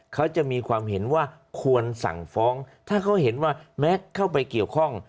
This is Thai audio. เขาจะมีความเห็นว่าควรสั่งฟ้องถ้าเขาเห็นว่าแม็กซ์เข้าไปเกี่ยวข้อง